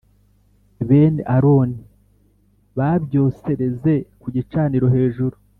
Bene Aroni babyosereze ku gicaniro hejuru